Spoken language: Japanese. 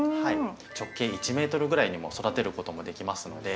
直径１ｍぐらいにも育てることもできますので。